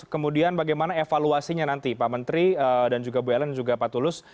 kemudian bagaimana evaluasinya nanti pak menteri dan juga bu ellen dan juga pak tulus